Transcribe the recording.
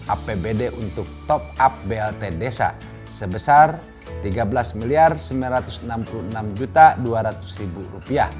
apbd untuk top up blt desa sebesar rp tiga belas sembilan ratus enam puluh enam dua ratus